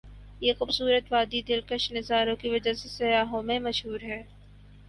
یہ خو بصورت وادی ا دل کش نظاروں کی وجہ سے سیاحوں میں مشہور ہے ۔